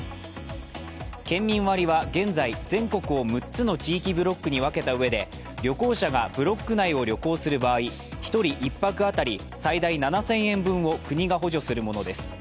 県民割は現在、全国を６つの地域ブロックに分けたうえで旅行者がブロック内を旅行する場合、１人１泊当たり、最大７０００円分を国が補助するものです。